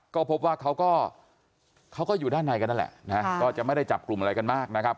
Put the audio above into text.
ก็พบว่าเขาก็เขาก็อยู่ด้านในกันนั่นแหละนะฮะก็จะไม่ได้จับกลุ่มอะไรกันมากนะครับ